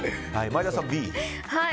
前田さんはＢ。